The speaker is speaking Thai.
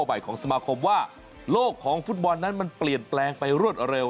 ใหม่ของสมาคมว่าโลกของฟุตบอลนั้นมันเปลี่ยนแปลงไปรวดเร็ว